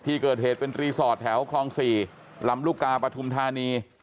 ที่เกิดเหตุเป็นรีสอร์ทแถวคลอง๔ลำลูกกาปฐุมธานี